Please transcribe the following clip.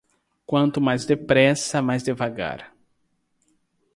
Quanto mais depressa, mais devagar.